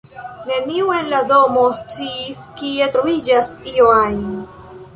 Neniu en la tuta domo sciis, kie troviĝas io ajn.